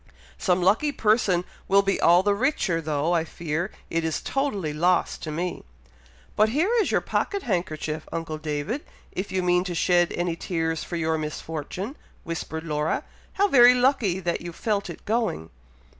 Some lucky person will be all the richer, though I fear it is totally lost to me." "But here is your pocket handkerchief, uncle David, if you mean to shed any tears for your misfortune," whispered Laura; "how very lucky that you felt it going!"